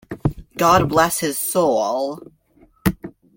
God bless his soul.